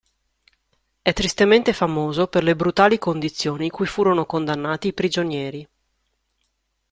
È tristemente famoso per le brutali condizioni cui furono condannati i prigionieri.